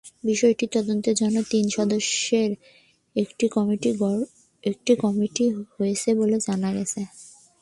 বিষয়টি তদন্তের জন্য তিন সদস্যের একটি কমিটি হয়েছে বলে জানা গেছে।